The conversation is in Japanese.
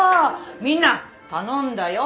みんな頼んだよ！